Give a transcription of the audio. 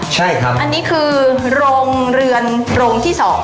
ใช่ครับอันนี้คือโรงเรือนโรงที่๒